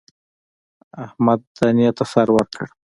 احمد دانې ته سر ورکړ.